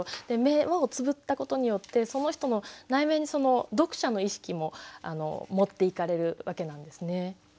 で目をつぶったことによってその人の内面に読者の意識も持っていかれるわけなんですね。